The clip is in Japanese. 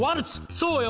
そうよ